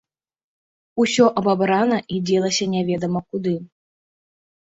Усё абабрана і дзелася немаведама куды.